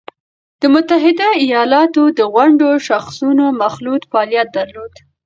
د متحده ایالاتو د ونډو شاخصونو مخلوط فعالیت درلود